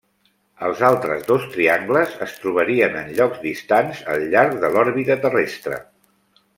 Els altres dos triangles es trobarien en llocs distants al llarg de l'òrbita terrestre.